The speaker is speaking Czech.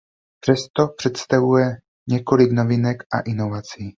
Přesto představuje několik novinek a inovací.